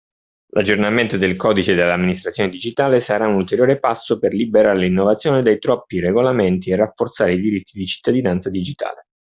L’aggiornamento del Codice dell’Amministrazione Digitale sarà un ulteriore passo per liberare l’innovazione dai troppi regolamenti e rafforzare i diritti di cittadinanza digitale